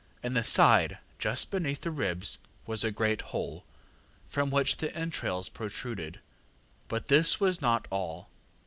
In the side, just beneath the ribs, was a great hole, from which the entrails protruded. But this was not all.